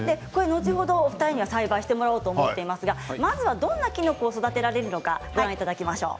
後ほどお二人には栽培してもらおうと思っていますがまずはどんなキノコを育てられるのかご覧いただきましょう。